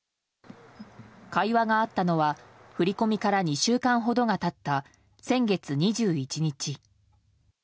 会話があったのは振り込みから２週間ほどが経った先月２１日。